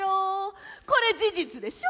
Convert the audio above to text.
これ事実でしょ。